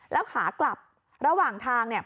แล้วขากลับระหว่างทางเนี่ย